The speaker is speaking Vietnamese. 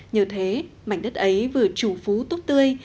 nhờ thế mảnh đất ấy vừa chủ phú tốt tươi